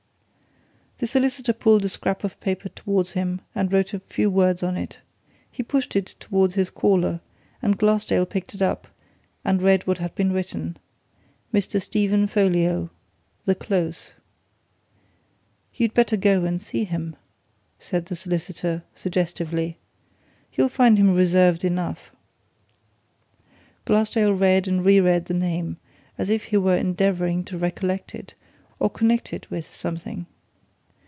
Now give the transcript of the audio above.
The solicitor pulled a scrap of paper towards him and wrote a few words on it. He pushed it towards his caller, and Glassdale picked it up and read what had been written Mr. Stephen Folliot, The Close. "You'd better go and see him," said the solicitor, suggestively. "You'll find him reserved enough." Glassdale read and re read the name as if he were endeavouring to recollect it, or connect it with something.